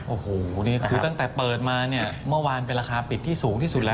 โอ้โฮตั้งแต่เปิดมาเมื่อวานเป็นราคาปิดที่สูงที่สุดแล้ว